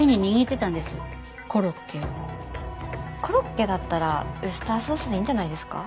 コロッケだったらウスターソースでいいんじゃないですか？